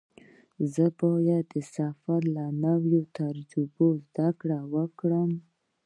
زه باید د سفر له نویو تجربو زده کړه وکړم.